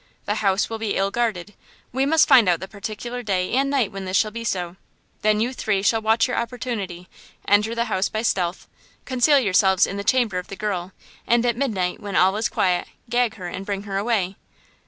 The house will be ill guarded. We must find out the particular day and night when this shall be so. Then you three shall watch your opportunity, enter the house by stealth, conceal yourselves in the chamber of the girl, and at midnight when all is quiet, gag her and bring her away."